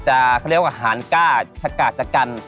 อาหารกล้าชะกัดชะกัน